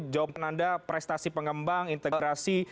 jawaban anda prestasi pengembang integrasi